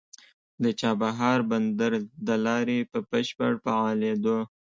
د چابهار بندر د لارې په بشپړ فعالېدو